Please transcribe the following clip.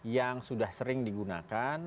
yang sudah sering digunakan